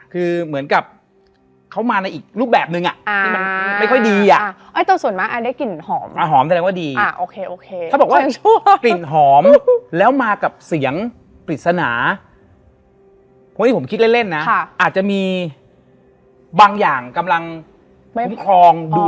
คือเหมือนพอทุกคนมาปุ๊บมันกลับปกติ